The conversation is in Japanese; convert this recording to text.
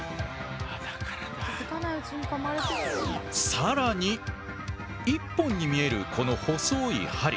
更に１本に見えるこの細い針。